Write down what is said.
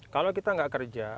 kalau kita gak kerja